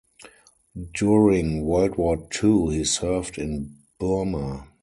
During World War Two, he served in Burma.